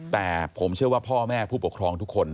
แต่ผมเชื่อว่าพ่อแม่ผู้ปกครองทุกคน